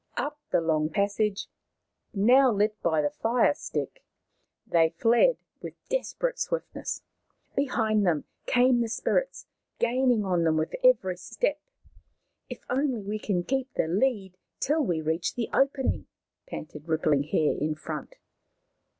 Up the long passage, now lit by the flaming D 5fl Maoriland Fairy Tales stick, they fled with desperate swiftness. Be hind them came the spirits, gaining on them with every step. " If only we can keep the lead till we reach the opening,' ' panted Rippling Hair in front.